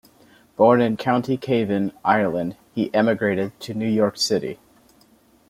Born in County Cavan, Ireland, he emigrated to New York City.